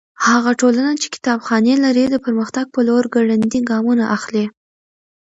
هغه ټولنه چې کتابخانې لري د پرمختګ په لور ګړندي ګامونه اخلي.